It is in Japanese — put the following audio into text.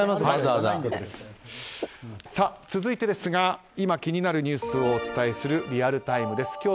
続いてですが今気になるニュースをお伝えするリアルタイムです。